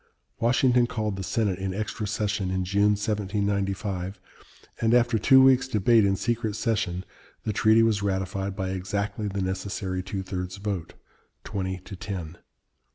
Washington called the Senate in extra session in June, 1795, and after two weeks' debate in secret session the treaty was ratified by exactly the necessary two thirds vote, twenty to ten.